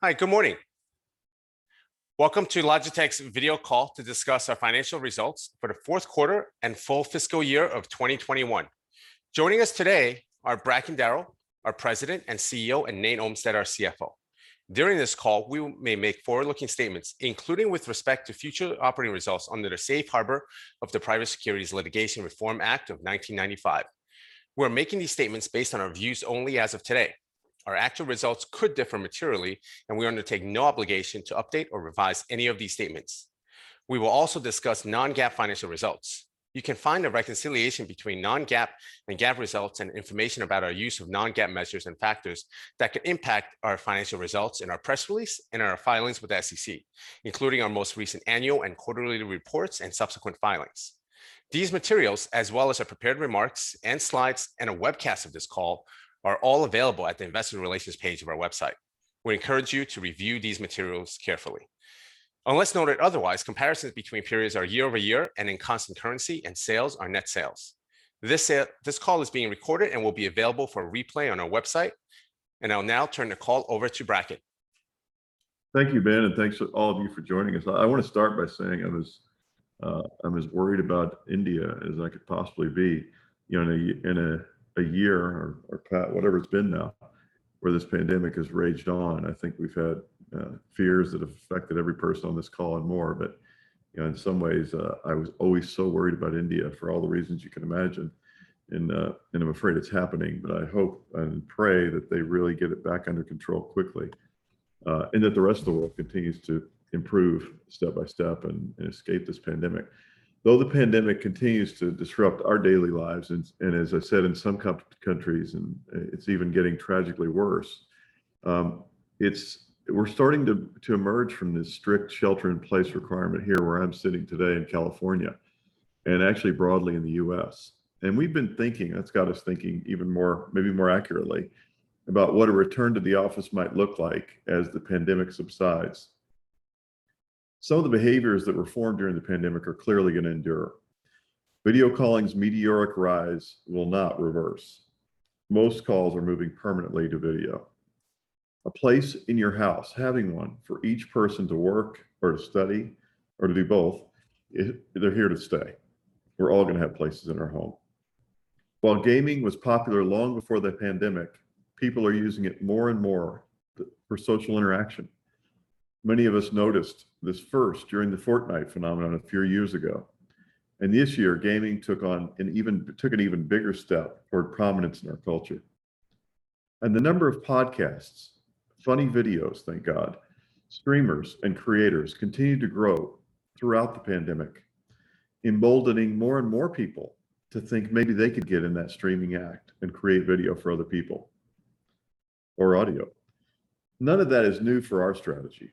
Hi, good morning. Welcome to Logitech's video call to discuss our financial results for the fourth quarter and full fiscal year of 2021. Joining us today are Bracken Darrell, our President and CEO, and Nate Olmstead, our CFO. During this call, we may make forward-looking statements, including with respect to future operating results under the safe harbor of the Private Securities Litigation Reform Act of 1995. We're making these statements based on our views only as of today. Our actual results could differ materially, and we undertake no obligation to update or revise any of these statements. We will also discuss non-GAAP financial results. You can find a reconciliation between non-GAAP and GAAP results and information about our use of non-GAAP measures and factors that could impact our financial results in our press release and our filings with the SEC, including our most recent annual and quarterly reports and subsequent filings. These materials, as well as our prepared remarks and slides and a webcast of this call, are all available at the investor relations page of our website. We encourage you to review these materials carefully. Unless noted otherwise, comparisons between periods are year-over-year and in constant currency, and sales are net sales. This call is being recorded and will be available for replay on our website, and I'll now turn the call over to Bracken. Thank you, Ben, and thanks to all of you for joining us. I want to start by saying I'm as worried about India as I could possibly be. In a year or whatever it's been now where this pandemic has raged on, I think we've had fears that have affected every person on this call and more. In some ways, I was always so worried about India for all the reasons you can imagine, and I'm afraid it's happening. I hope and pray that they really get it back under control quickly, and that the rest of the world continues to improve step by step and escape this pandemic. The pandemic continues to disrupt our daily lives and, as I said, in some countries, and it's even getting tragically worse. We're starting to emerge from this strict shelter-in-place requirement here where I'm sitting today in California, and actually broadly in the U.S. We've been thinking, that's got us thinking even more, maybe more accurately, about what a return to the office might look like as the pandemic subsides. Some of the behaviors that were formed during the pandemic are clearly going to endure. Video calling's meteoric rise will not reverse. Most calls are moving permanently to video. A place in your house, having one for each person to work or to study or to do both, they're here to stay. We're all going to have places in our home. While gaming was popular long before the pandemic, people are using it more and more for social interaction. Many of us noticed this first during the Fortnite phenomenon a few years ago. This year gaming took an even bigger step toward prominence in our culture. The number of podcasts, funny videos, thank God, streamers, and creators continued to grow throughout the pandemic, emboldening more and more people to think maybe they could get in that streaming act and create video for other people or audio. None of that is new for our strategy.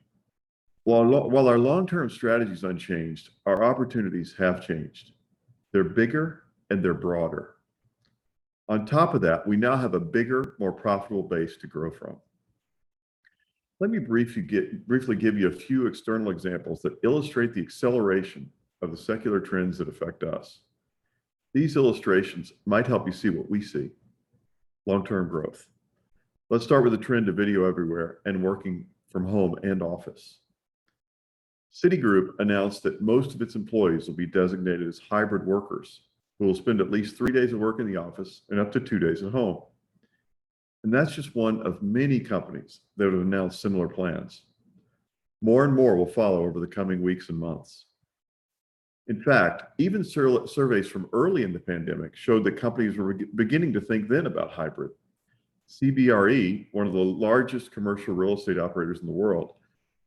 While our long-term strategy is unchanged, our opportunities have changed. They're bigger and they're broader. On top of that, we now have a bigger, more profitable base to grow from. Let me briefly give you a few external examples that illustrate the acceleration of the secular trends that affect us. These illustrations might help you see what we see. Long-term growth. Let's start with the trend of video everywhere and working from home and office. Citigroup announced that most of its employees will be designated as hybrid workers who will spend at least three days of work in the office and up to two days at home, and that's just one of many companies that have announced similar plans. More and more will follow over the coming weeks and months. In fact, even surveys from early in the pandemic showed that companies were beginning to think then about hybrid. CBRE, one of the largest commercial real estate operators in the world,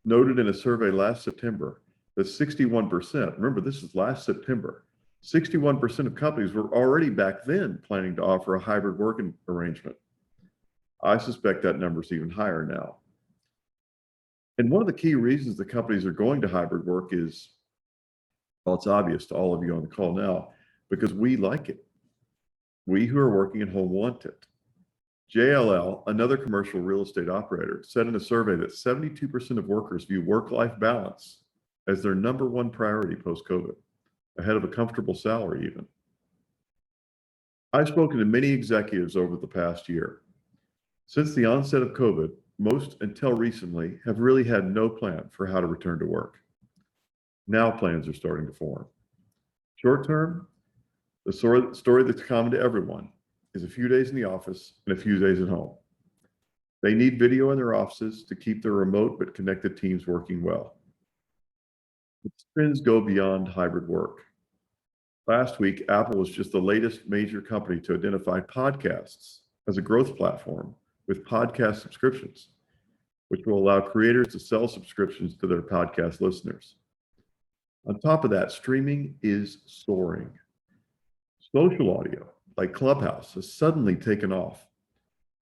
noted in a survey last September that 61%, remember, this is last September, 61% of companies were already back then planning to offer a hybrid working arrangement. I suspect that number is even higher now. One of the key reasons the companies are going to hybrid work is, well, it's obvious to all of you on the call now, because we like it. We who are working at home want it. JLL, another commercial real estate operator, said in a survey that 72% of workers view work-life balance as their number one priority post-COVID, ahead of a comfortable salary even. I've spoken to many executives over the past year. Since the onset of COVID, most, until recently, have really had no plan for how to return to work. Now plans are starting to form. Short-term, the story that's common to everyone is a few days in the office and a few days at home. They need video in their offices to keep their remote but connected teams working well. The trends go beyond hybrid work. Last week, Apple was just the latest major company to identify podcasts as a growth platform with podcast subscriptions, which will allow creators to sell subscriptions to their podcast listeners. Streaming is soaring. Social audio, like Clubhouse, has suddenly taken off.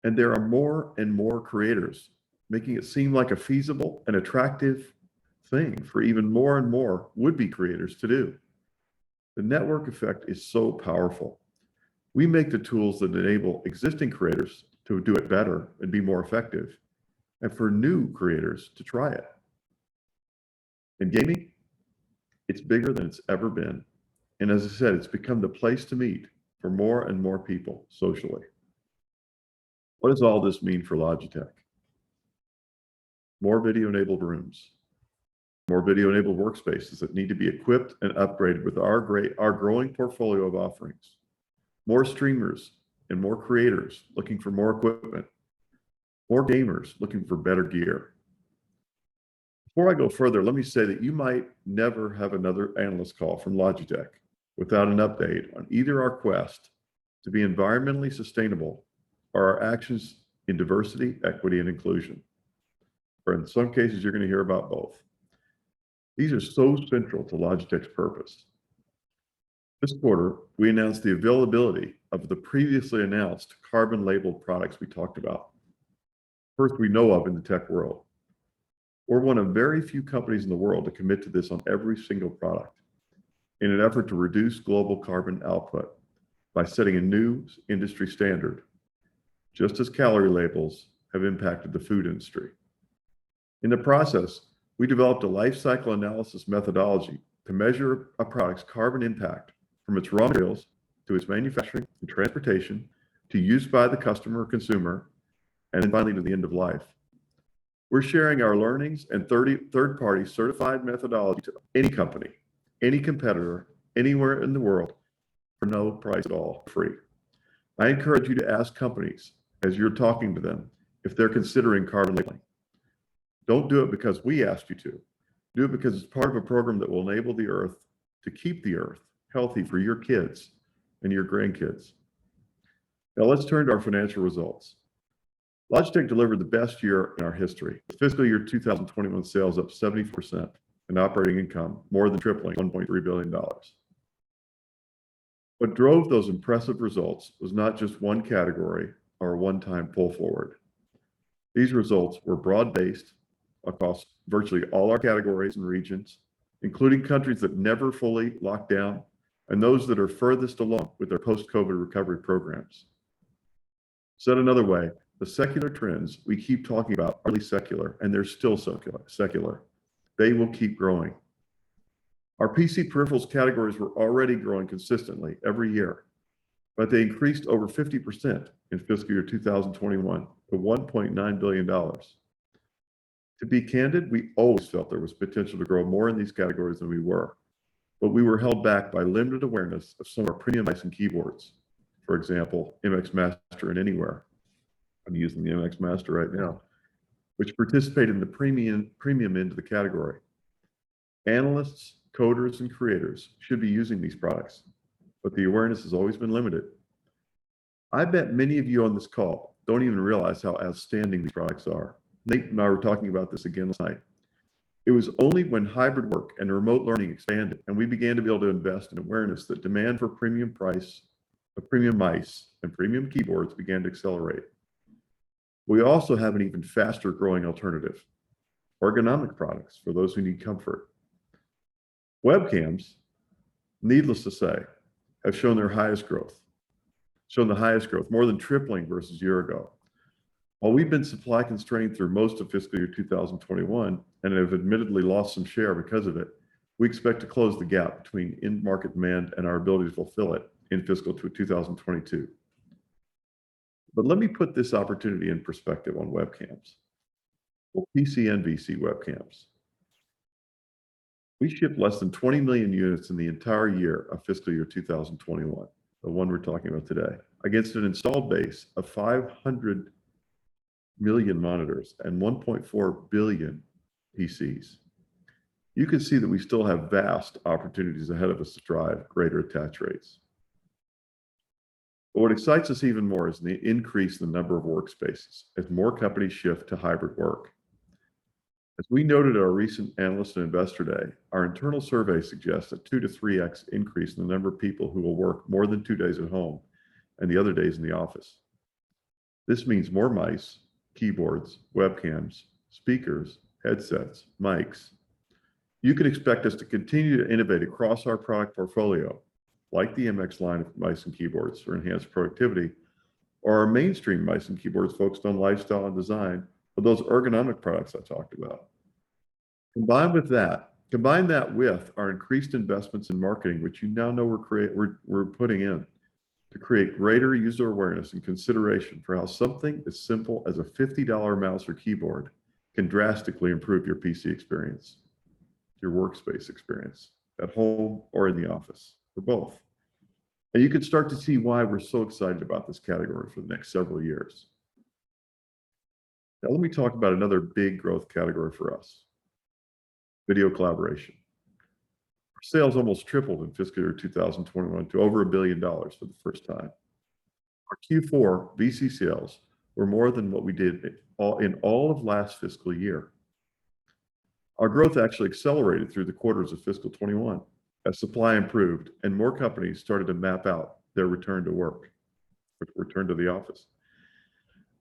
There are more and more creators making it seem like a feasible and attractive thing for even more and more would-be creators to do. The network effect is so powerful. We make the tools that enable existing creators to do it better and be more effective, and for new creators to try it. Gaming, it's bigger than it's ever been. As I said, it's become the place to meet for more and more people socially. What does all this mean for Logitech? More video-enabled rooms, more video-enabled workspaces that need to be equipped and upgraded with our growing portfolio of offerings. More streamers and more creators looking for more equipment, more gamers looking for better gear. Before I go further, let me say that you might never have another analyst call from Logitech without an update on either our quest to be environmentally sustainable or our actions in diversity, equity, and inclusion. In some cases, you're going to hear about both. These are so central to Logitech's purpose. This quarter, we announced the availability of the previously announced carbon labeled products we talked about. First we know of in the tech world. We're one of very few companies in the world to commit to this on every single product in an effort to reduce global carbon output by setting a new industry standard, just as calorie labels have impacted the food industry. In the process, we developed a life cycle analysis methodology to measure a product's carbon impact from its raw materials, to its manufacturing and transportation, to use by the customer or consumer, and finally to the end of life. We're sharing our learnings and third-party certified methodology to any company, any competitor, anywhere in the world for no price at all. Free. I encourage you to ask companies, as you're talking to them, if they're considering carbon labeling. Don't do it because we asked you to. Do it because it's part of a program that will enable the Earth to keep the Earth healthy for your kids and your grandkids. Let's turn to our financial results. Logitech delivered the best year in our history. Fiscal year 2021 sales up 74%, operating income more than tripling $1.3 billion. What drove those impressive results was not just one category or a one-time pull forward. These results were broad-based across virtually all our categories and regions, including countries that never fully locked down and those that are furthest along with their post-COVID recovery programs. Said another way, the secular trends we keep talking about are really secular, and they're still secular. They will keep growing. Our PC peripherals categories were already growing consistently every year, but they increased over 50% in fiscal year 2021 to $1.9 billion. To be candid, we always felt there was potential to grow more in these categories than we were, but we were held back by limited awareness of some of our premium mice and keyboards. For example, MX Master and Anywhere. I'm using the MX Master right now, which participate in the premium end of the category. Analysts, coders, and creators should be using these products, but the awareness has always been limited. I bet many of you on this call don't even realize how outstanding these products are. Nate and I were talking about this again last night. It was only when hybrid work and remote learning expanded, and we began to be able to invest in awareness, that demand for premium mice and premium keyboards began to accelerate. We also have an even faster-growing alternative, ergonomic products for those who need comfort. Webcams, needless to say, have shown the highest growth, more than tripling versus a year ago. While we've been supply constrained through most of fiscal year 2021, and have admittedly lost some share because of it, we expect to close the gap between end market demand and our ability to fulfill it in fiscal 2022. Let me put this opportunity in perspective on webcams. Well, PC and VC webcams. We shipped less than 20 million units in the entire year of fiscal year 2021, the one we're talking about today, against an installed base of 500 million monitors and 1.4 billion PCs. You can see that we still have vast opportunities ahead of us to drive greater attach rates. What excites us even more is the increase in the number of workspaces as more companies shift to hybrid work. As we noted at our recent Analyst & Investor Day, our internal survey suggests a 2x-3x increase in the number of people who will work more than two days at home and the other days in the office. This means more mice, keyboards, webcams, speakers, headsets, mics. You can expect us to continue to innovate across our product portfolio, like the MX line of mice and keyboards for enhanced productivity or our mainstream mice and keyboards focused on lifestyle and design, or those ergonomic products I talked about. Combine that with our increased investments in marketing, which you now know we're putting in to create greater user awareness and consideration for how something as simple as a $50 mouse or keyboard can drastically improve your PC experience, your workspace experience at home or in the office, or both. You can start to see why we're so excited about this category for the next several years. Let me talk about another big growth category for us, video collaboration. Our sales almost tripled in fiscal year 2021 to over $1 billion for the first time. Our Q4 VC sales were more than what we did in all of last fiscal year. Our growth actually accelerated through the quarters of fiscal 2021 as supply improved and more companies started to map out their return to work, return to the office.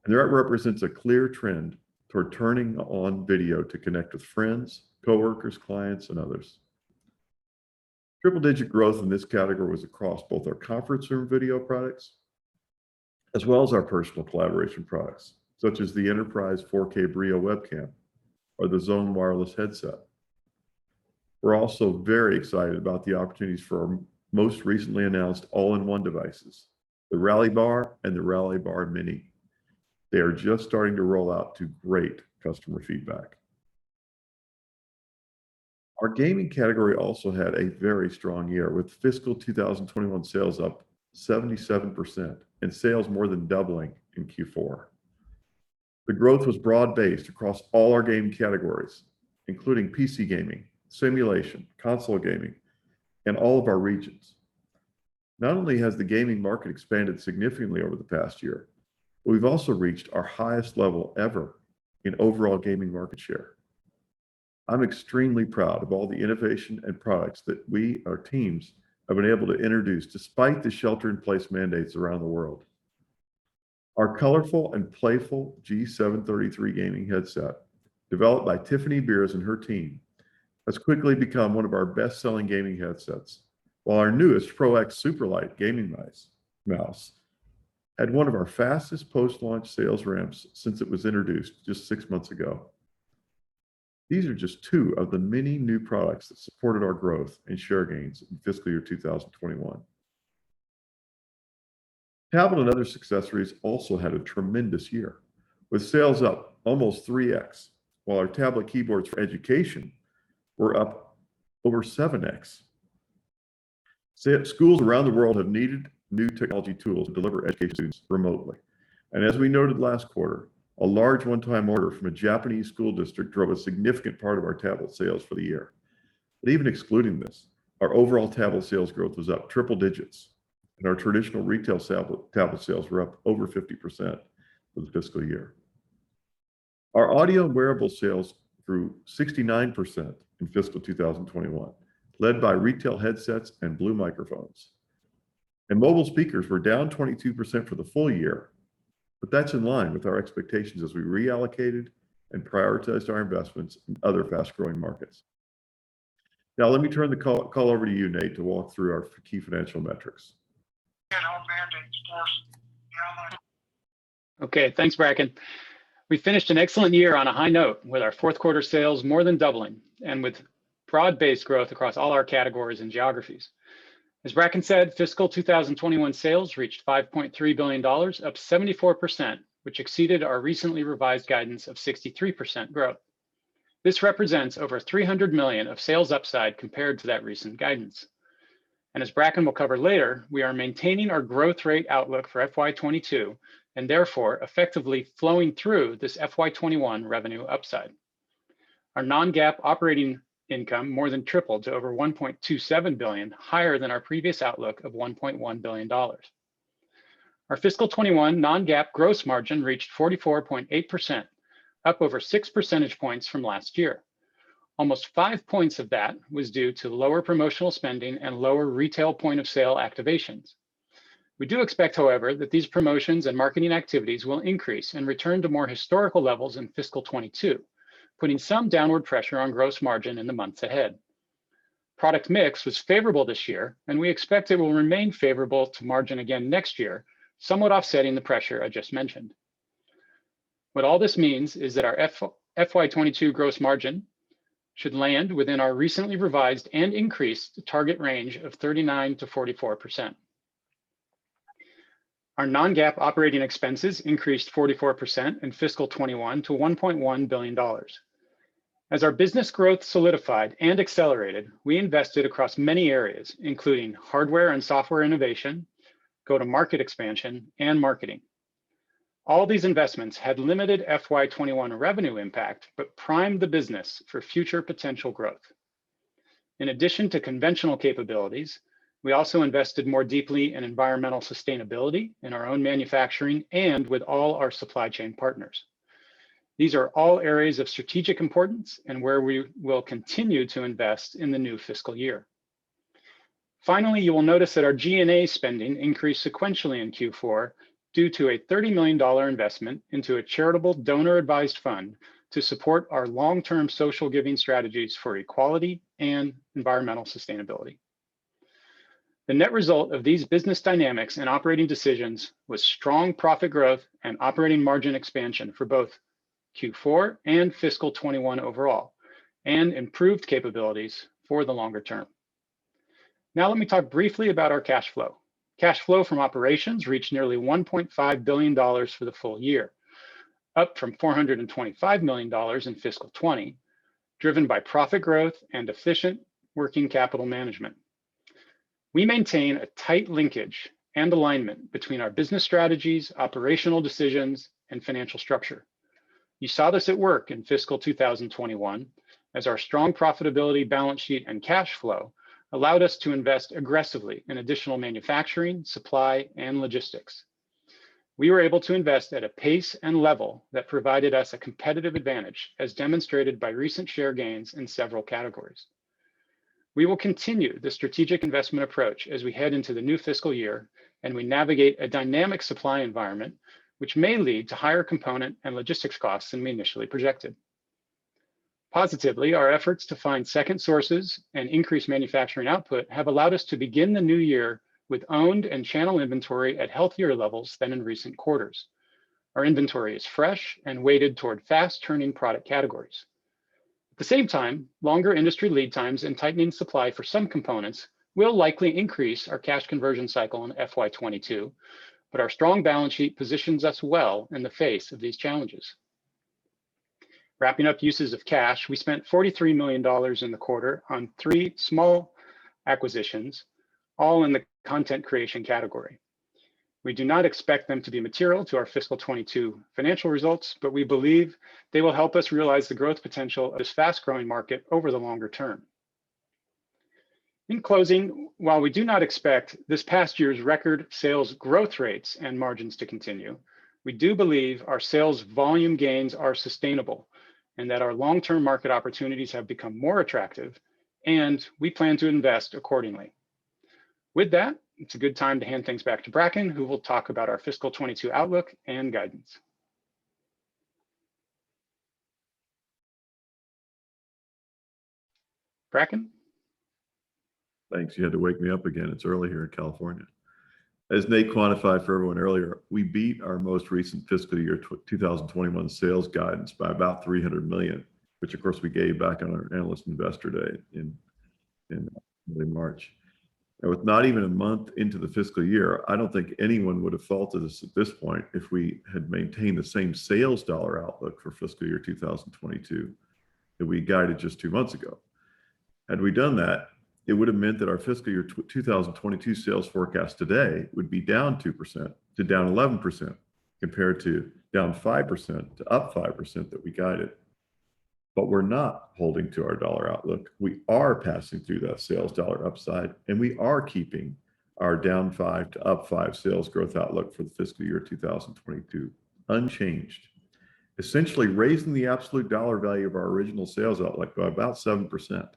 That represents a clear trend toward turning on video to connect with friends, coworkers, clients, and others. Triple-digit growth in this category was across both our conference room video products, as well as our personal collaboration products, such as the Enterprise 4K Brio webcam or the Zone Wireless headset. We're also very excited about the opportunities for our most recently announced all-in-one devices, the Rally Bar and the Rally Bar Mini. They are just starting to roll out to great customer feedback. Our gaming category also had a very strong year, with fiscal 2021 sales up 77% and sales more than doubling in Q4. The growth was broad-based across all our gaming categories, including PC gaming, simulation, console gaming, and all of our regions. Not only has the gaming market expanded significantly over the past year, but we've also reached our highest level ever in overall gaming market share. I'm extremely proud of all the innovation and products that we, our teams, have been able to introduce despite the shelter-in-place mandates around the world. Our colorful and playful G733 gaming headset, developed by Tiffany Beers and her team, has quickly become one of our best-selling gaming headsets, while our newest PRO X SUPERLIGHT gaming mouse had one of our fastest post-launch sales ramps since it was introduced just six months ago. These are just two of the many new products that supported our growth and share gains in fiscal year 2021. Tablet and other accessories also had a tremendous year, with sales up almost 3x, while our tablet keyboards for education were up over 7x. Schools around the world have needed new technology tools to deliver education to students remotely, and as we noted last quarter, a large one-time order from a Japanese school district drove a significant part of our tablet sales for the year. Even excluding this, our overall tablet sales growth was up triple digits, and our traditional retail tablet sales were up over 50% for the fiscal year. Our audio and wearable sales grew 69% in fiscal 2021, led by retail headsets and Blue Microphones. Mobile speakers were down 22% for the full year, but that's in line with our expectations as we reallocated and prioritized our investments in other fast-growing markets. Let me turn the call over to you, Nate, to walk through our key financial metrics. Okay, thanks, Bracken. We finished an excellent year on a high note with our fourth quarter sales more than doubling and with broad-based growth across all our categories and geographies. As Bracken said, fiscal 2021 sales reached $5.3 billion, up 74%, which exceeded our recently revised guidance of 63% growth. This represents over $300 million of sales upside compared to that recent guidance. As Bracken will cover later, we are maintaining our growth rate outlook for FY 2022, and therefore effectively flowing through this FY 2021 revenue upside. Our non-GAAP operating income more than tripled to over $1.27 billion, higher than our previous outlook of $1.1 billion. Our fiscal 2021 non-GAAP gross margin reached 44.8%, up over six percentage points from last year. Almost five points of that was due to lower promotional spending and lower retail point-of-sale activations. We do expect, however, that these promotions and marketing activities will increase and return to more historical levels in fiscal 2022, putting some downward pressure on gross margin in the months ahead. Product mix was favorable this year, and we expect it will remain favorable to margin again next year, somewhat offsetting the pressure I just mentioned. What all this means is that our FY 2022 gross margin should land within our recently revised and increased target range of 39%-44%. Our non-GAAP operating expenses increased 44% in FY 2021 to $1.1 billion. As our business growth solidified and accelerated, we invested across many areas, including hardware and software innovation, go-to-market expansion, and marketing. All these investments had limited FY 2021 revenue impact but primed the business for future potential growth. In addition to conventional capabilities, we also invested more deeply in environmental sustainability in our own manufacturing and with all our supply chain partners. These are all areas of strategic importance and where we will continue to invest in the new fiscal year. Finally, you will notice that our G&A spending increased sequentially in Q4 due to a $30 million investment into a charitable donor-advised fund to support our long-term social giving strategies for equality and environmental sustainability. The net result of these business dynamics and operating decisions was strong profit growth and operating margin expansion for both Q4 and fiscal 2021 overall, and improved capabilities for the longer term. Now let me talk briefly about our cash flow. Cash flow from operations reached nearly $1.5 billion for the full year, up from $425 million in fiscal 2020, driven by profit growth and efficient working capital management. We maintain a tight linkage and alignment between our business strategies, operational decisions, and financial structure. You saw this at work in fiscal 2021 as our strong profitability balance sheet and cash flow allowed us to invest aggressively in additional manufacturing, supply, and logistics. We were able to invest at a pace and level that provided us a competitive advantage, as demonstrated by recent share gains in several categories. We will continue the strategic investment approach as we head into the new fiscal year and we navigate a dynamic supply environment, which may lead to higher component and logistics costs than we initially projected. Positively, our efforts to find second sources and increase manufacturing output have allowed us to begin the new year with owned and channel inventory at healthier levels than in recent quarters. Our inventory is fresh and weighted toward fast-turning product categories. At the same time, longer industry lead times and tightening supply for some components will likely increase our cash conversion cycle in FY 2022, but our strong balance sheet positions us well in the face of these challenges. Wrapping up uses of cash, we spent $43 million in the quarter on three small acquisitions, all in the content creation category. We do not expect them to be material to our fiscal 2022 financial results, but we believe they will help us realize the growth potential of this fast-growing market over the longer term. In closing, while we do not expect this past year's record sales growth rates and margins to continue, we do believe our sales volume gains are sustainable and that our long-term market opportunities have become more attractive, and we plan to invest accordingly. It's a good time to hand things back to Bracken, who will talk about our fiscal 2022 outlook and guidance. Bracken? Thanks. You had to wake me up again. It's early here in California. As Nate quantified for everyone earlier, we beat our most recent fiscal year 2021 sales guidance by about $300 million, which, of course, we gave back on our Analyst & Investor Day in early March. With not even a month into the fiscal year, I don't think anyone would have faulted us at this point if we had maintained the same sales dollar outlook for fiscal year 2022 that we guided just two months ago. Had we done that, it would've meant that our fiscal year 2022 sales forecast today would be -2% to -11%, compared to -5% to +5% that we guided. We're not holding to our dollar outlook. We are passing through that sales dollar upside, and we are keeping our -5 to +5 sales growth outlook for the fiscal year 2022 unchanged, essentially raising the absolute dollar value of our original sales outlook by about 7%.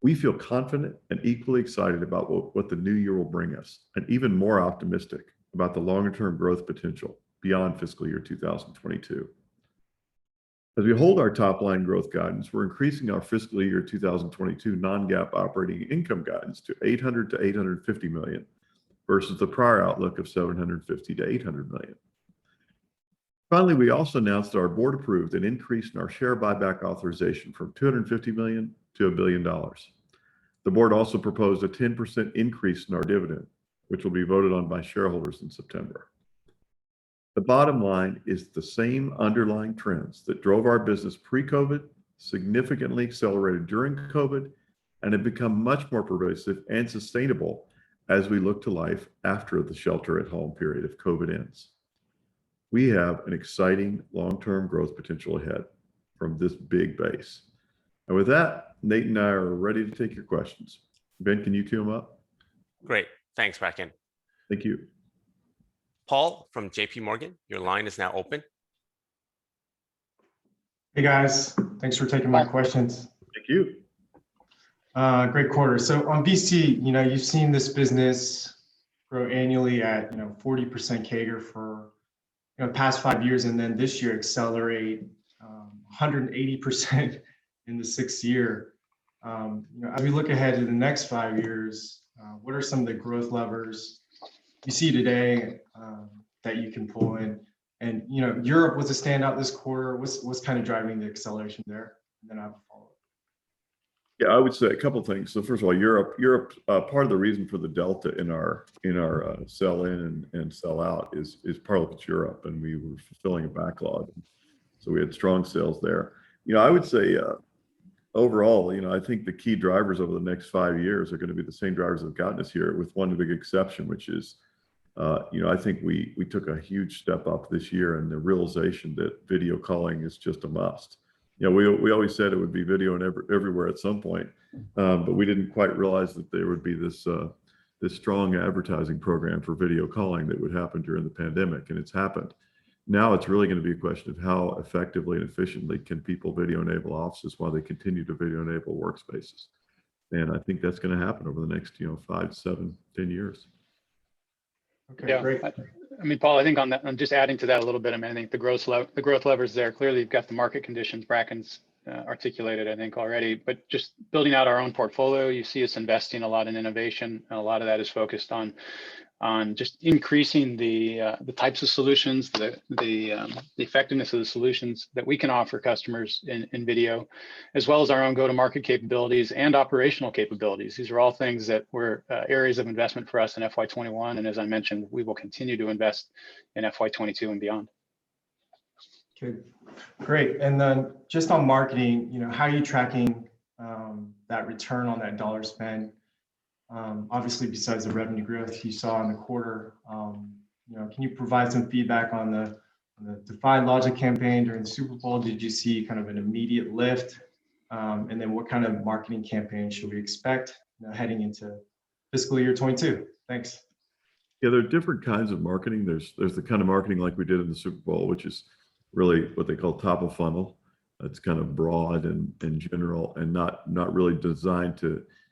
We feel confident and equally excited about what the new year will bring us, and even more optimistic about the longer-term growth potential beyond fiscal year 2022. As we hold our top-line growth guidance, we're increasing our fiscal year 2022 non-GAAP operating income guidance to $800 million-$850 million versus the prior outlook of $750 million-$800 million. Finally, we also announced our board approved an increase in our share buyback authorization from $250 million-$1 billion. The board also proposed a 10% increase in our dividend, which will be voted on by shareholders in September. The bottom line is the same underlying trends that drove our business pre-COVID, significantly accelerated during COVID, and have become much more pervasive and sustainable as we look to life after the shelter at home period of COVID ends. We have an exciting long-term growth potential ahead from this big base. With that, Nate and I are ready to take your questions. Ben, can you queue them up? Great. Thanks, Bracken. Thank you. Paul from JPMorgan, your line is now open. Hey, guys. Thanks for taking my questions. Thank you. Great quarter. On VC, you've seen this business grow annually at 40% CAGR for the past five years and then this year accelerate 180% in the sixth year. Europe was a standout this quarter. What's driving the acceleration there? I have a follow-up. I would say a couple of things. First of all, Europe. Part of the reason for the delta in our sell in and sell out is partly because Europe, and we were fulfilling a backlog, so we had strong sales there. I would say, overall, I think the key drivers over the next five years are going to be the same drivers that have gotten us here with one big exception, which is I think we took a huge step up this year in the realization that video calling is just a must. We always said it would be video enabled everywhere at some point, but we didn't quite realize that there would be this strong advertising program for video calling that would happen during the pandemic, and it's happened. Now it's really going to be a question of how effectively and efficiently can people video enable offices while they continue to video enable workspaces. I think that's going to happen over the next five, seven, 10 years. Okay, great. Yeah. Paul, I think on that, just adding to that a little bit, I think the growth lever's there. Clearly, you've got the market conditions Bracken's articulated, I think, already. Just building out our own portfolio, you see us investing a lot in innovation, and a lot of that is focused on just increasing the types of solutions, the effectiveness of the solutions that we can offer customers in video, as well as our own go-to-market capabilities and operational capabilities. These are all things that were areas of investment for us in FY 2021, and as I mentioned, we will continue to invest in FY 2022 and beyond. Okay, great. Just on marketing, how are you tracking that return on that dollar spend? Obviously, besides the revenue growth you saw in the quarter, can you provide some feedback on the DEFY LOGIC campaign during the Super Bowl? Did you see an immediate lift? What kind of marketing campaign should we expect heading into fiscal year 2022? Thanks. There are different kinds of marketing. There's the kind of marketing like we did in the Super Bowl, which is really what they call top of funnel. It's broad and general and not really designed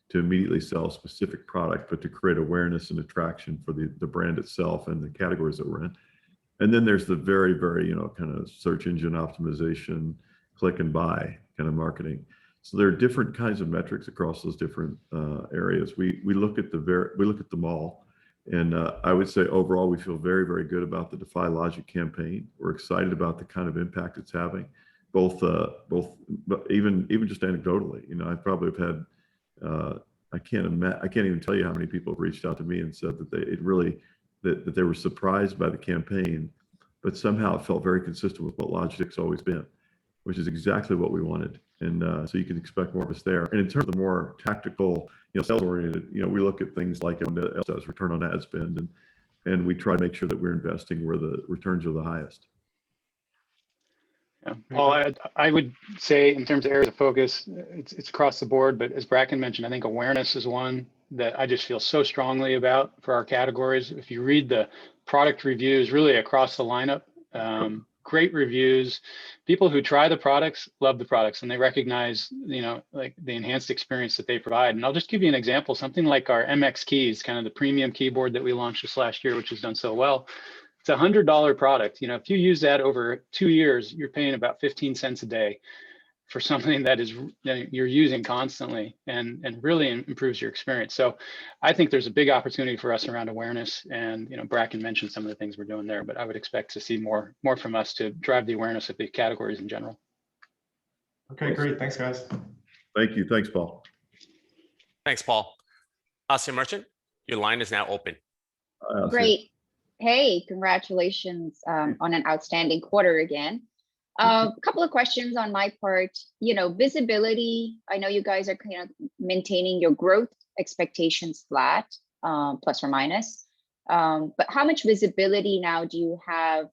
to immediately sell a specific product, but to create awareness and attraction for the brand itself and the categories that we're in. There's the very kind of search engine optimization, click and buy kind of marketing. There are different kinds of metrics across those different areas. We look at them all, and I would say overall, we feel very good about the DEFY LOGIC campaign. We're excited about the kind of impact it's having, even just anecdotally. I probably can't even tell you how many people have reached out to me and said that they were surprised by the campaign, somehow it felt very consistent with what Logitech's always been, which is exactly what we wanted. You can expect more of us there. In terms of the more tactical, sales-oriented, we look at things like ROAS's return on ad spend, and we try to make sure that we're investing where the returns are the highest. Paul, I would say in terms of areas of focus, it's across the board. As Bracken mentioned, I think awareness is one that I just feel so strongly about for our categories. If you read the product reviews really across the lineup, great reviews. People who try the products love the products, and they recognize the enhanced experience that they provide. I'll just give you an example. Something like our MX Keys, kind of the premium keyboard that we launched just last year, which has done so well. It's a $100 product. If you use that over two years, you're paying about $0.15 a day for something that you're using constantly and really improves your experience. I think there's a big opportunity for us around awareness, and Bracken mentioned some of the things we're doing there, but I would expect to see more from us to drive the awareness of the categories in general. Okay, great. Thanks, guys. Thank you. Thanks, Paul. Thanks, Paul. Asiya Merchant, your line is now open. Great. Hey, congratulations on an outstanding quarter again. A couple of questions on my part. Visibility, I know you guys are kind of maintaining your growth expectations flat, plus or minus. How much visibility now do you have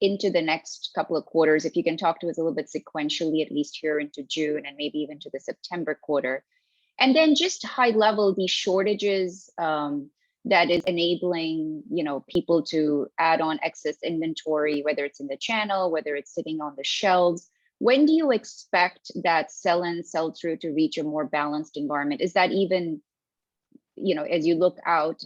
into the next couple of quarters? If you can talk to us a little bit sequentially, at least here into June and maybe even to the September quarter. Just high level, the shortages that is enabling people to add on excess inventory, whether it's in the channel, whether it's sitting on the shelves. When do you expect that sell-in, sell-through to reach a more balanced environment? Is that even as you look out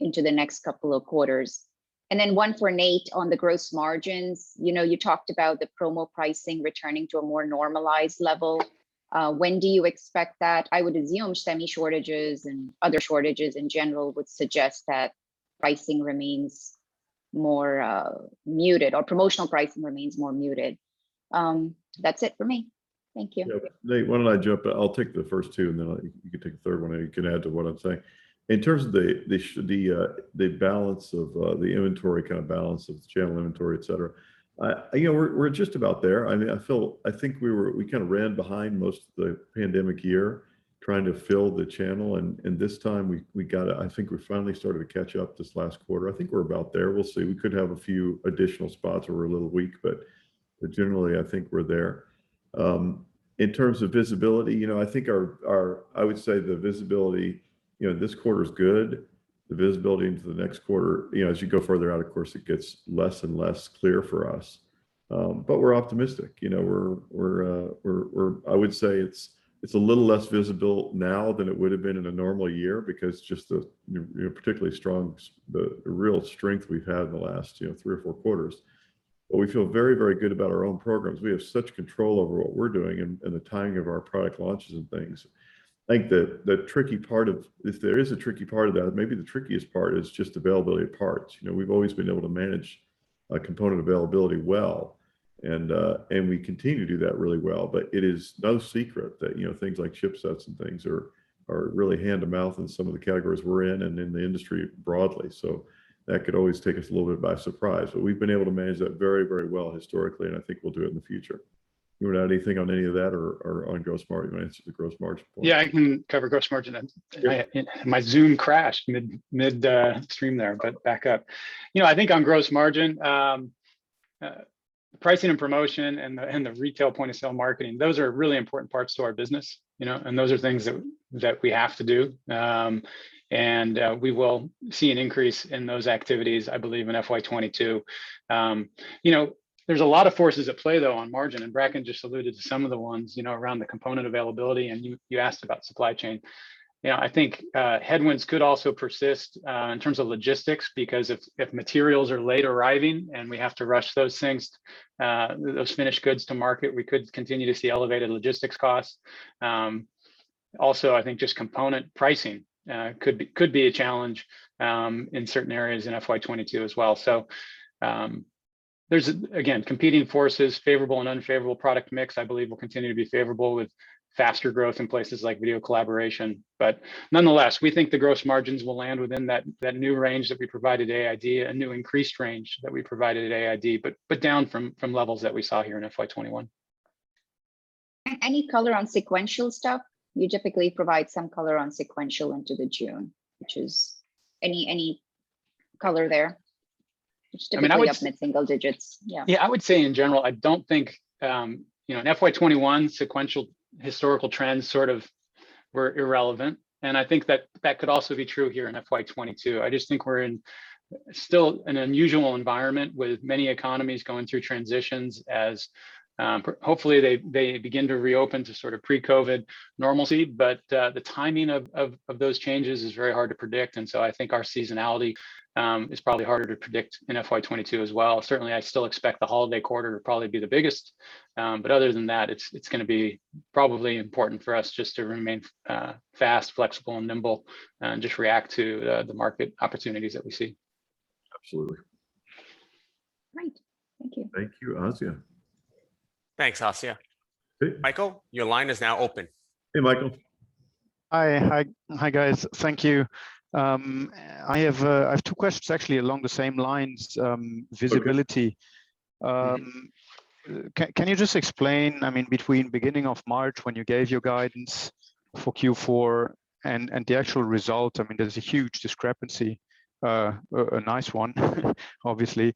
into the next couple of quarters? One for Nate on the gross margins. You talked about the promo pricing returning to a more normalized level. When do you expect that? I would assume semi shortages and other shortages in general would suggest that pricing remains more muted, or promotional pricing remains more muted. That's it for me. Thank you. Yeah. Nate, why don't I jump in? I'll take the first two, and then you can take the third one, and you can add to what I'm saying. In terms of the inventory kind of balance of the channel inventory, et cetera, we're just about there. I think we kind of ran behind most of the pandemic year trying to fill the channel, and this time, I think we finally started to catch up this last quarter. I think we're about there. We'll see. We could have a few additional spots where we're a little weak, but generally, I think we're there. In terms of visibility, I would say the visibility this quarter is good. The visibility into the next quarter, as you go further out, of course, it gets less and less clear for us. We're optimistic. I would say it's a little less visible now than it would've been in a normal year because just the real strength we've had in the last three or four quarters. We feel very good about our own programs. We have such control over what we're doing and the timing of our product launches and things. I think if there is a tricky part of that, maybe the trickiest part is just availability of parts. We've always been able to manage component availability well, and we continue to do that really well. It is no secret that things like chipsets and things are really hand to mouth in some of the categories we're in and in the industry broadly. That could always take us a little bit by surprise, but we've been able to manage that very well historically, and I think we'll do it in the future. You want to add anything on any of that or on gross margin? You want to answer the gross margin, Nate? I can cover gross margin. My Zoom crashed mid-stream there. Back up. I think on gross margin, pricing and promotion and the retail point-of-sale marketing, those are really important parts to our business, and those are things that we have to do. We will see an increase in those activities, I believe in FY 2022. There's a lot of forces at play, though, on margin, and Bracken just alluded to some of the ones around the component availability, and you asked about supply chain. I think headwinds could also persist in terms of logistics because if materials are late arriving and we have to rush those things, those finished goods to market, we could continue to see elevated logistics costs. I think just component pricing could be a challenge in certain areas in FY 2022 as well. There's, again, competing forces, favorable and unfavorable product mix, I believe, will continue to be favorable with faster growth in places like video collaboration. Nonetheless, we think the gross margins will land within that new range that we provided at AID, a new increased range that we provided at AID, but down from levels that we saw here in FY 2021. Any color on sequential stuff? You typically provide some color on sequential into the June. Any color there? I mean. Be up in single digits. Yeah. I would say in general, I don't think in FY 2021, sequential historical trends sort of were irrelevant. I think that could also be true here in FY 2022. I just think we're in still an unusual environment with many economies going through transitions as hopefully they begin to reopen to sort of pre-COVID normalcy. The timing of those changes is very hard to predict, and so I think our seasonality is probably harder to predict in FY 2022 as well. Certainly, I still expect the holiday quarter to probably be the biggest. Other than that, it's going to be probably important for us just to remain fast, flexible, and nimble, and just react to the market opportunities that we see. Absolutely. Great. Thank you. Thank you, Asiya. Thanks, Asiya. Okay. Michael, your line is now open. Hey, Michael. Hi, guys. Thank you. I have two questions actually along the same lines, visibility. Okay. Can you just explain, between beginning of March when you gave your guidance for Q4 and the actual result, there's a huge discrepancy. A nice one obviously.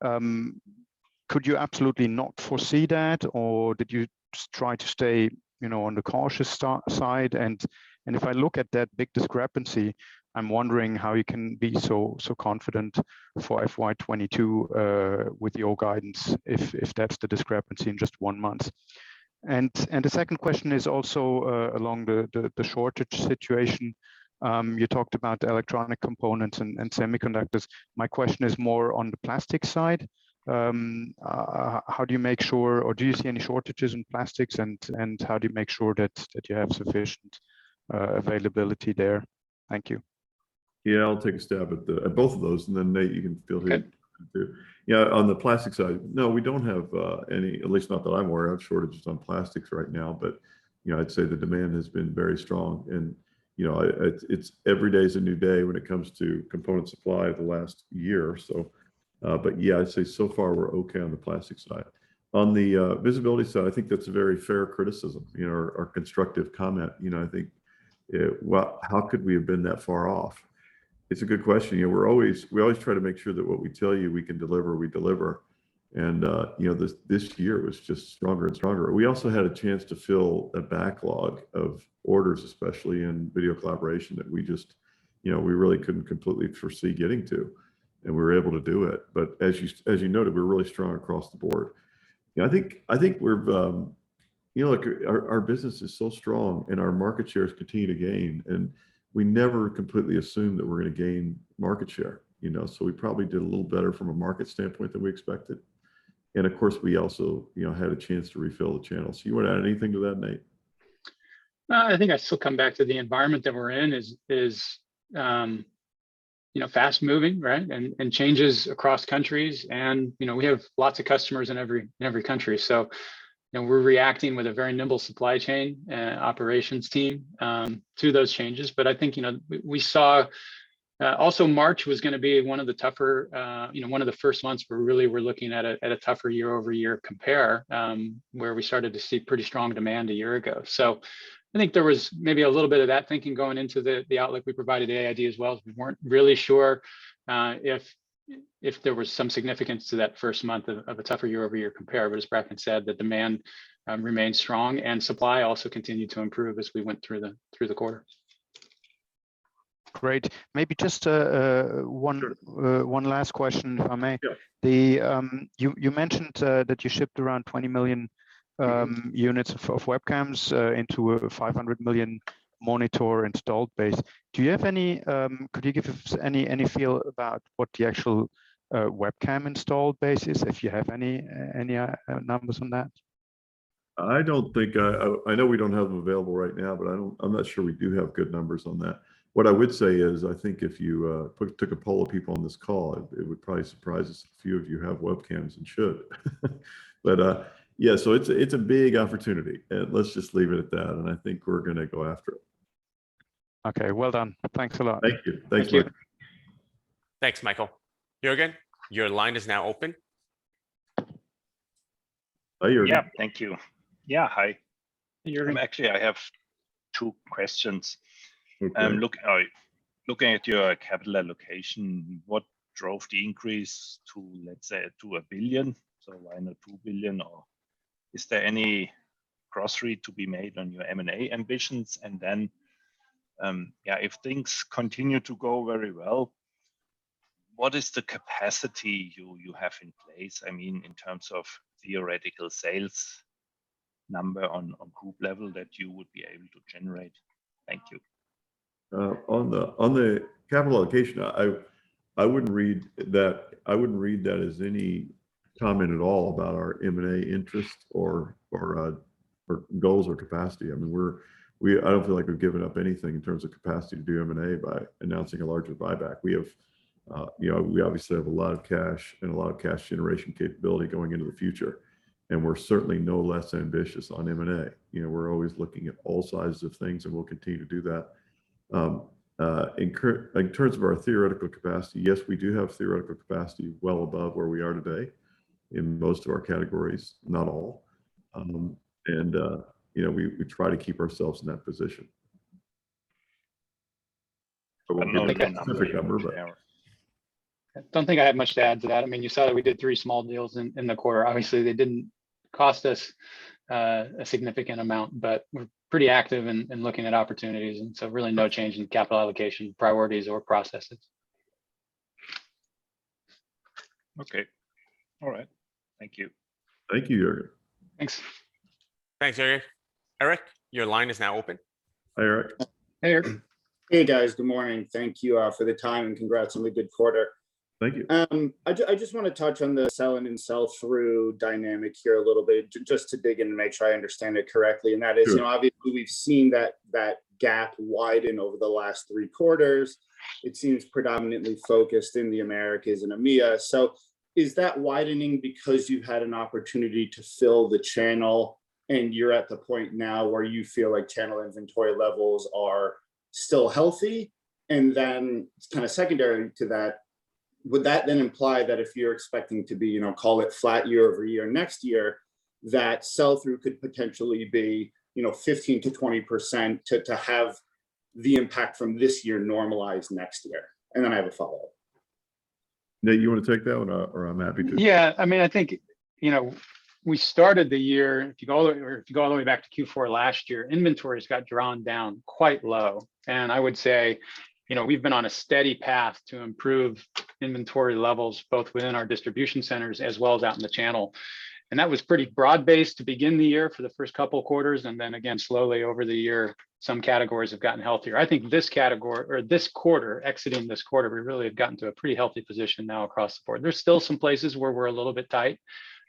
The question is really, could you absolutely not foresee that, or did you try to stay on the cautious side? If I look at that big discrepancy, I'm wondering how you can be so confident for FY 2022 with your guidance, if that's the discrepancy in just one month. The second question is also along the shortage situation. You talked about electronic components and semiconductors. My question is more on the plastic side. Do you see any shortages in plastics, and how do you make sure that you have sufficient availability there? Thank you. Yeah, I'll take a stab at both of those, and then Nate, you can feel free to- Okay -chip in too. On the plastic side, no, we don't have any, at least not that I'm aware of, shortages on plastics right now, but I'd say the demand has been very strong. Every day is a new day when it comes to component supply over the last year. Yeah, I'd say so far we're okay on the plastic side. On the visibility side, I think that's a very fair criticism or constructive comment. I think, how could we have been that far off? It's a good question. We always try to make sure that what we tell you we can deliver, we deliver. This year was just stronger and stronger. We also had a chance to fill a backlog of orders, especially in video collaboration, that we really couldn't completely foresee getting to, and we were able to do it. As you noted, we're really strong across the board. Our business is so strong, and our market shares continue to gain, and we never completely assume that we're going to gain market share. We probably did a little better from a market standpoint than we expected, and of course, we also had a chance to refill the channel. You want to add anything to that, Nate? I think I still come back to the environment that we're in is fast-moving, and changes across countries, and we have lots of customers in every country. We're reacting with a very nimble supply chain and operations team to those changes. I think, we saw also March was going to be one of the first months where really we're looking at a tougher year-over-year compare, where we started to see pretty strong demand a year ago. I think there was maybe a little bit of that thinking going into the outlook we provided at AID as well, as we weren't really sure if there was some significance to that first month of a tougher year-over-year compare. As Bracken said, the demand remains strong and supply also continued to improve as we went through the quarter. Great. Maybe just. Sure. Last question, if I may. Yeah. You mentioned that you shipped around 20 million units of webcams into a 500 million monitor installed base. Could you give us any feel about what the actual webcam installed base is, if you have any numbers on that? I know we don't have them available right now, but I'm not sure we do have good numbers on that. What I would say is, I think if you took a poll of people on this call, it would probably surprise us that a few of you have webcams and should. Yeah, it's a big opportunity, and let's just leave it at that, and I think we're going to go after it. Okay. Well done. Thanks a lot. Thank you. Thank you. Thanks, Michael. Thanks, Michael. Jürgen, your line is now open. Hi, Jürgen. Yeah. Thank you. Yeah, hi. Hey, Jürgen. Actually, I have two questions. Okay. Looking at your capital allocation, what drove the increase to, let's say, to $1 billion? Why not $2 billion, or is there any progress to be made on your M&A ambitions? If things continue to go very well, what is the capacity you have in place, in terms of theoretical sales number on group level that you would be able to generate? Thank you. On the capital allocation, I wouldn't read that as any comment at all about our M&A interest or goals or capacity. I don't feel like we've given up anything in terms of capacity to do M&A by announcing a larger buyback. We obviously have a lot of cash and a lot of cash generation capability going into the future, and we're certainly no less ambitious on M&A. We're always looking at all sizes of things, and we'll continue to do that. In terms of our theoretical capacity, yes, we do have theoretical capacity well above where we are today in most of our categories, not all. And we try to keep ourselves in that position. But we don't have a specific number. I don't think I have much to add to that. You saw that we did three small deals in the quarter. Obviously, they didn't cost us a significant amount, but we're pretty active in looking at opportunities, and so really no change in capital allocation priorities or processes. Okay. All right. Thank you. Thank you, Jürgen. Thanks. Thanks, Jürgen. Erik, your line is now open. Hi, Erik. Hey, Erik. Hey, guys. Good morning. Thank you for the time, and congrats on the good quarter. Thank you. I just want to touch on the sell in and sell through dynamic here a little bit, just to dig in and make sure I understand it correctly. Sure. That is, obviously we've seen that gap widen over the last three quarters. It seems predominantly focused in the Americas and EMEA. Is that widening because you've had an opportunity to fill the channel, and you're at the point now where you feel like channel inventory levels are still healthy? Then, kind of secondary to that, would that then imply that if you're expecting to be, call it flat year-over-year next year, that sell-through could potentially be 15%-20% to have the impact from this year normalized next year? Then I have a follow-up. Nate, you want to take that one, or I'm happy to. Yeah. I think, we started the year, if you go all the way back to Q4 last year, inventories got drawn down quite low. I would say, we've been on a steady path to improve inventory levels, both within our distribution centers as well as out in the channel. That was pretty broad-based to begin the year for the first couple of quarters, and then again, slowly over the year, some categories have gotten healthier. I think exiting this quarter, we really have gotten to a pretty healthy position now across the board. There's still some places where we're a little bit tight,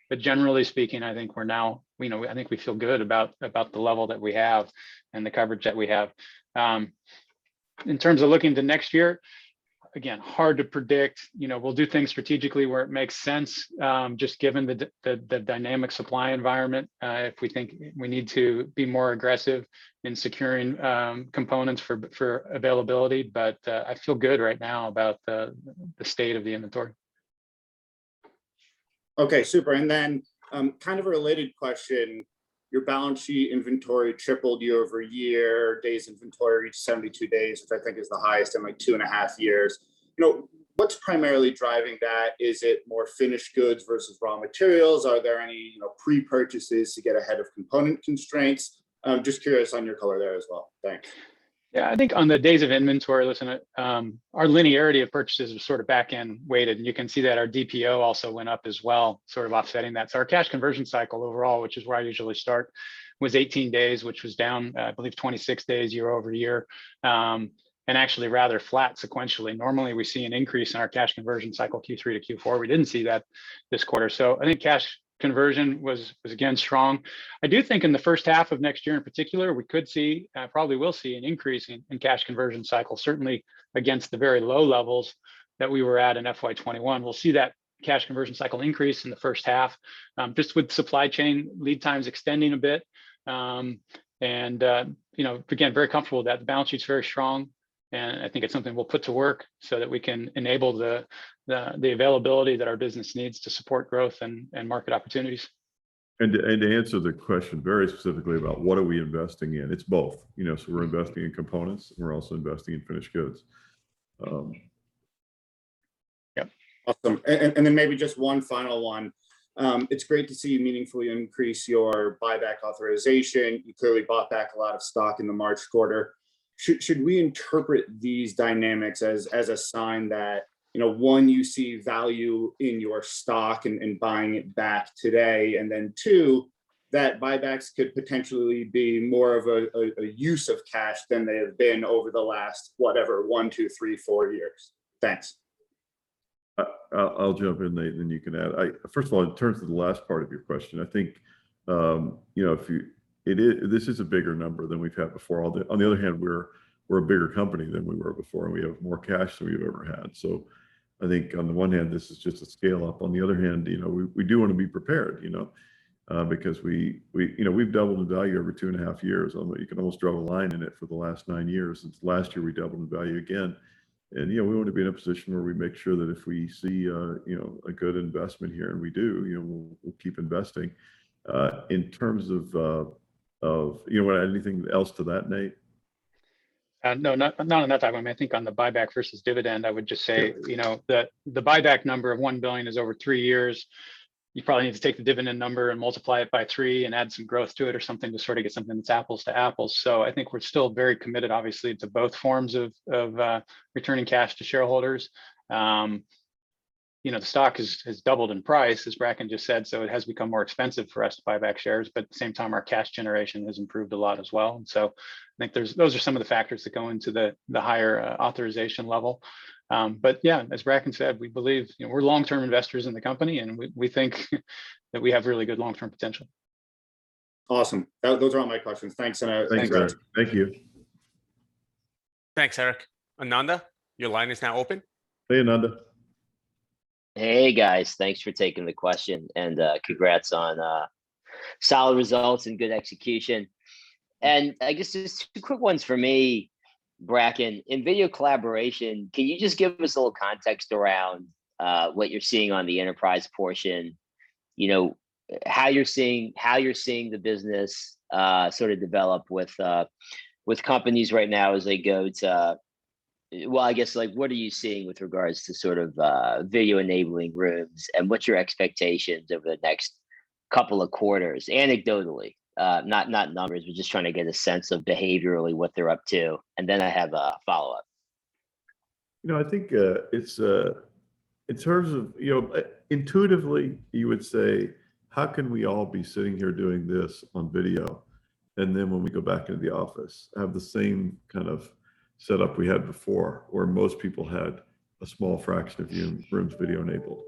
but generally speaking, I think we feel good about the level that we have and the coverage that we have. In terms of looking to next year, again, hard to predict. We'll do things strategically where it makes sense, just given the dynamic supply environment, if we think we need to be more aggressive in securing components for availability. I feel good right now about the state of the inventory. Okay, super. Kind of a related question. Your balance sheet inventory tripled year-over-year. Days inventory reached 72 days, which I think is the highest in two and a half years. What's primarily driving that? Is it more finished goods versus raw materials? Are there any pre-purchases to get ahead of component constraints? Just curious on your color there as well. Thanks. Yeah, I think on the days of inventory, listen, our linearity of purchases was sort of back-end weighted, and you can see that our DPO also went up as well, sort of offsetting that. Our cash conversion cycle overall, which is where I usually start, was 18 days, which was down, I believe, 26 days year-over-year. Actually rather flat sequentially. Normally, we see an increase in our cash conversion cycle Q3-Q4. We didn't see that this quarter. I think cash conversion was, again, strong. I do think in the first half of next year in particular, we could see, probably will see, an increase in cash conversion cycle, certainly against the very low levels that we were at in FY 2021. We'll see that cash conversion cycle increase in the first half. Just with supply chain lead times extending a bit. Again, very comfortable that the balance sheet's very strong, and I think it's something we'll put to work so that we can enable the availability that our business needs to support growth and market opportunities. To answer the question very specifically about what are we investing in, it's both. We're investing in components, and we're also investing in finished goods. Yep. Awesome. Then maybe just one final one. It's great to see you meaningfully increase your buyback authorization. You clearly bought back a lot of stock in the March quarter. Should we interpret these dynamics as a sign that, one, you see value in your stock and buying it back today, and then two, that buybacks could potentially be more of a use of cash than they have been over the last, whatever, one, two, three, four years? Thanks. I'll jump in, Nate, and then you can add. First of all, in terms of the last part of your question, I think this is a bigger number than we've had before. On the other hand, we're a bigger company than we were before, and we have more cash than we've ever had. I think on the one hand, this is just a scale-up. On the other hand, we do want to be prepared. We've doubled in value every two and a half years. You can almost draw a line in it for the last nine years. Since last year, we doubled in value again. We want to be in a position where we make sure that if we see a good investment here, and we do, we'll keep investing. You want to add anything else to that, Nate? No, not on that topic. I think on the buyback versus dividend, I would just say that the buyback number of $1 billion is over three years. You probably need to take the dividend number and multiply it by three and add some growth to it or something to sort of get something that's apples to apples. I think we're still very committed, obviously, to both forms of returning cash to shareholders. The stock has doubled in price, as Bracken just said, so it has become more expensive for us to buy back shares. At the same time, our cash generation has improved a lot as well. I think those are some of the factors that go into the higher authorization level. Yeah, as Bracken said, we're long-term investors in the company, and we think that we have really good long-term potential. Awesome. Those are all my questions. Thanks. Thanks, Erik. Think that's it. Thank you. Thanks, Erik. Ananda, your line is now open. Hey, Ananda. Hey, guys. Thanks for taking the question, congrats on solid results and good execution. I guess there's two quick ones from me. Bracken, in video collaboration, can you just give us a little context around what you're seeing on the enterprise portion? How you're seeing the business sort of develop with companies right now as they go to I guess what are you seeing with regards to sort of video enabling rooms, and what's your expectations over the next couple of quarters, anecdotally? Not numbers, but just trying to get a sense of behaviorally what they're up to. I have a follow-up. I think in terms of intuitively you would say, "How can we all be sitting here doing this on video?" And then when we go back into the office, have the same kind of setup we had before, where most people had a small fraction of rooms video-enabled.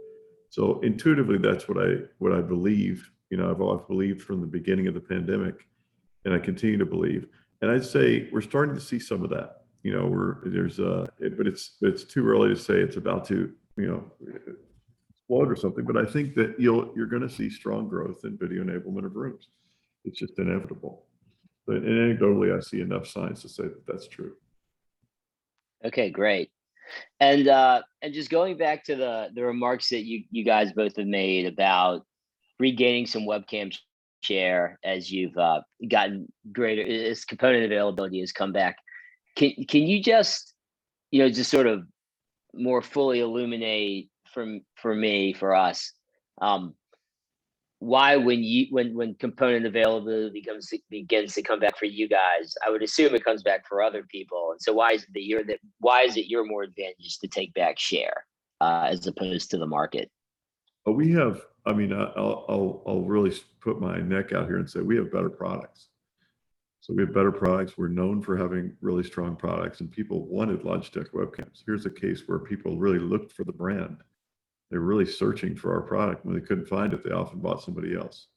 Intuitively, that's what I believe. I've believed from the beginning of the pandemic, and I continue to believe. I'd say we're starting to see some of that. It's too early to say it's about to explode or something, but I think that you're going to see strong growth in video enablement of rooms. It's just inevitable. Anecdotally, I see enough signs to say that that's true. Okay, great. Just going back to the remarks that you guys both have made about regaining some webcam share as component availability has come back. Can you just more fully illuminate for me, for us, why when component availability begins to come back for you guys, I would assume it comes back for other people, why is it you're more advantaged to take back share, as opposed to the market? I'll really put my neck out here and say we have better products. We have better products. We're known for having really strong products, and people wanted Logitech webcams. Here's a case where people really looked for the brand. They were really searching for our product. When they couldn't find it, they often bought somebody else.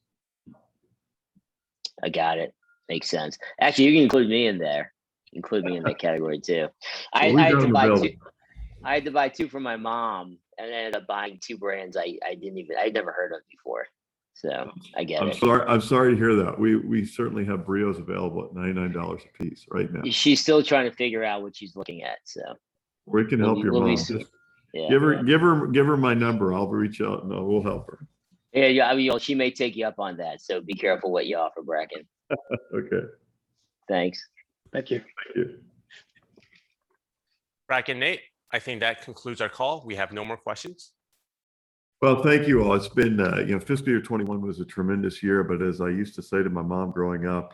I got it. Makes sense. Actually, you can include me in there. Include me in that category, too. Well, we've got them available. I had to buy two for my mom, and I ended up buying two brands I'd never heard of before. I get it. I'm sorry to hear that. We certainly have Brios available at $99 a piece right now. She's still trying to figure out what she's looking at. We can help your mom. We'll see. Yeah. Give her my number. I'll reach out, and we'll help her. Yeah. She may take you up on that, so be careful what you offer, Bracken. Okay. Thanks. Thank you. Thank you. Bracken, Nate, I think that concludes our call. We have no more questions. Thank you, all. Fiscal year 2021 was a tremendous year, as I used to say to my mom growing up,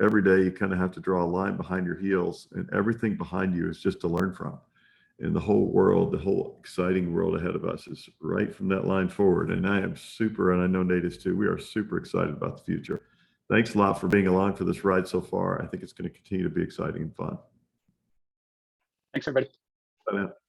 every day you kind of have to draw a line behind your heels, and everything behind you is just to learn from. The whole world, the whole exciting world ahead of us, is right from that line forward, and I am super, and I know Nate is, too. We are super excited about the future. Thanks a lot for being along for this ride so far. I think it's going to continue to be exciting and fun. Thanks, everybody. Bye now.